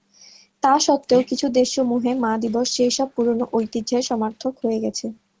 তা সত্ত্বেও, কিছু দেশসমূহে মা দিবস সেই সব পুরোনো ঐতিহ্যের সমার্থক হয়ে গেছে।